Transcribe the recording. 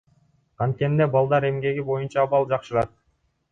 Канткенде балдар эмгеги боюнча абал жакшырат?